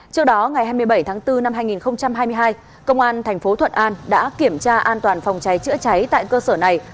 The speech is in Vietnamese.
trước đó ngày hai mươi bảy tháng bốn năm hai nghìn hai mươi hai công an thành phố thuận an đã kiểm tra an toàn phòng cháy chữa cháy tại cơ sở này